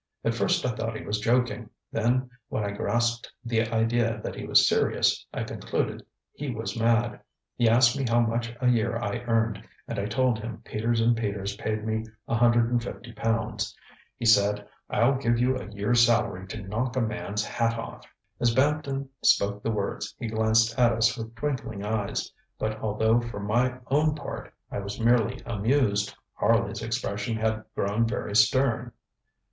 At first I thought he was joking, then when I grasped the idea that he was serious I concluded he was mad. He asked me how much a year I earned, and I told him Peters and Peters paid me 150 pounds. He said: 'I'll give you a year's salary to knock a man's hat off!'ŌĆØ As Bampton spoke the words he glanced at us with twinkling eyes, but although for my own part I was merely amused, Harley's expression had grown very stern.